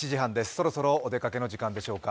そろそろお出かけの時間でしょうか。